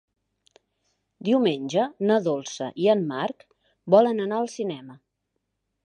Diumenge na Dolça i en Marc volen anar al cinema.